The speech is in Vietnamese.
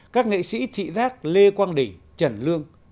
các nghệ sĩ thị giác lê quang đỉnh trần lương